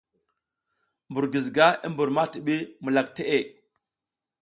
Mbur giziga i mbur ma tiɓi mukak te.